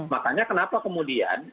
makanya kenapa kemudian